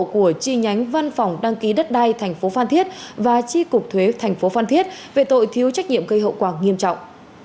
của chi nhánh văn phòng đăng ký đất đai tp phan thiết và chi cục thuế thành phố phan thiết về tội thiếu trách nhiệm gây hậu quả nghiêm trọng